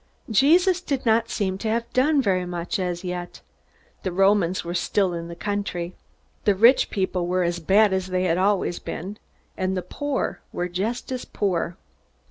Jesus did not seem to have done very much as yet. The Romans were still in the country. The rich people were as bad as they had always been, and the poor were just as poor.